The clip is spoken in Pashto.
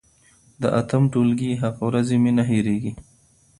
د اتم ټولګي هغه ورځې مي نه هېرېږي.